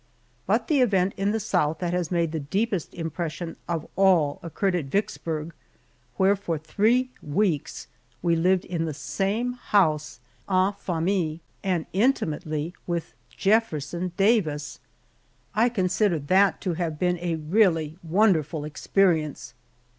But the event in the South that has made the deepest impression of all occurred at Vicksburg, where for three weeks we lived in the same house, en famille and intimately, with Jefferson Davis! I consider that to have been a really wonderful experience.